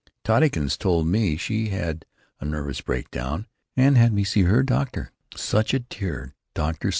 Tottykins told me how she had a nervous breakdown, and had me see her doctor, such a dear, Dr. St.